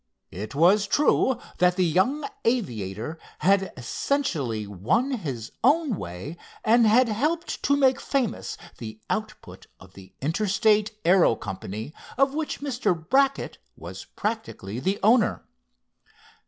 It was true that the young aviator had essentially won his own way and had helped to make famous the output of the Interstate Aero Company, of which Mr. Brackett was practically the owner.